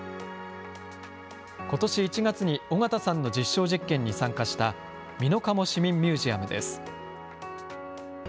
ことし１月に緒方さんの実証実験に参加した、美濃加茂市民ミュージアムです。